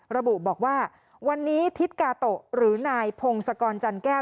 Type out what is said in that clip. ระบุบอกว่าวันนี้ทิศกาโตะหรือนายพงศกรจันแก้ว